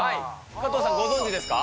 加藤さん、ご存じですか？